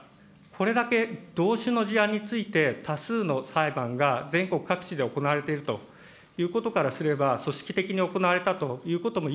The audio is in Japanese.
これだけ同種の事案について多数の裁判が全国各地で行われているということからすれば、組織的に行われたということも、